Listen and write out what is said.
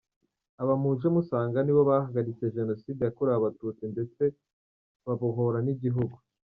Aba muje musanga nibo bahagaritse Jenoside yakorewe Abatutsi ndetse babohora n’igihugu.